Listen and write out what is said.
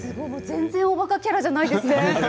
おばかキャラじゃないですね。